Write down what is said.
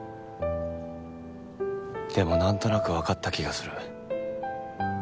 でもなんとなくわかった気がする。